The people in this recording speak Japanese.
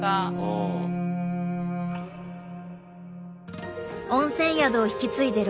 温泉宿を引き継いで６年。